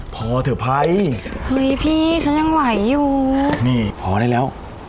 พอเถอะภัยเฮ้ยพี่ฉันยังไหวอยู่นี่พอได้แล้ว